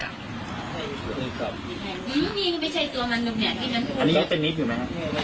หื้มนี่เขาไปใช้ตัวมันหนุ่มเนี้ยที่มันโอเคอันนี้ได้เป็นนิทอยู่ไหมครับ